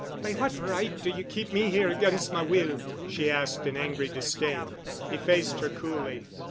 "By what right do you keep me here against my will?" she asked in angry disdain. He faced her coolly.